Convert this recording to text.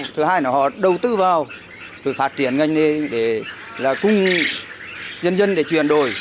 thứ hai là họ đầu tư vào phát triển ngành nghề để là cung dân dân để chuyển đổi